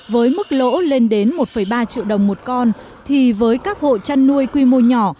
với mức lỗ lên đến một ba triệu đồng một con thì với các hộ chăn nuôi quy mô nhỏ